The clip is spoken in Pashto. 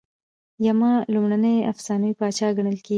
یما لومړنی افسانوي پاچا ګڼل کیږي